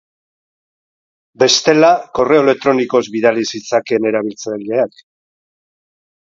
Bestela, korreo elektronikoz bidali zitzakeen erabiltzaileak.